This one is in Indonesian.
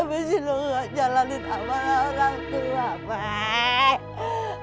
kenapa lu tidak jalanin sama orang tua pak